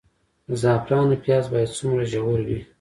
د زعفرانو پیاز باید څومره ژور وي؟